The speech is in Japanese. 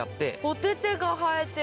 お手々が生えてる。